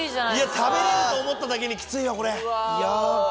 食べれると思っただけにきついわこれ。